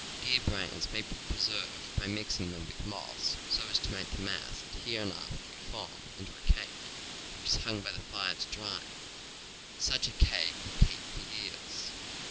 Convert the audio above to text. Deer brains may be preserved by mixing them with moss so as to make the mass adhere enough to be formed into a cake, which is hung by the fire to dry. Such a cake will keep for years.